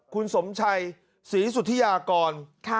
คุณสมชัยศรีสุธิยากร